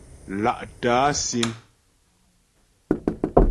Lá'tə̀ á sim.